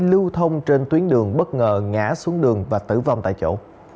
lưu thông trên tuyến đường bất ngờ ngã xuống đường và tử vong tại chỗ